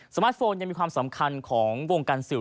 มาร์ทโฟนยังมีความสำคัญของวงการสื่อ